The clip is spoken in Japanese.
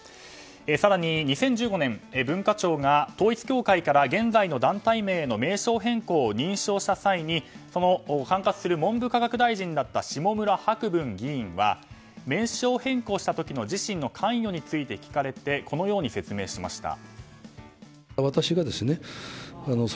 更に、２０１５年文化庁が統一教会から現在の団体名への名称変更を認証した際に管轄する文部科学大臣だった下村博文議員は名称変更した時の自身の関与について聞かれてこのように説明しました。